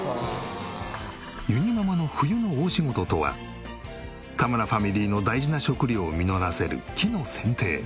ゆにママの冬の大仕事とは田村ファミリーの大事な食料を実らせる木の剪定。